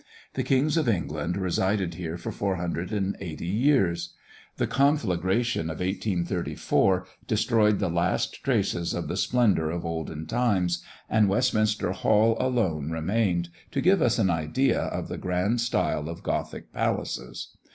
The kings of England resided here for 480 years. The conflagration of 1834 destroyed the last traces of the splendour of olden times, and Westminster Hall alone remained to give us an idea of the grand style of Gothic palaces.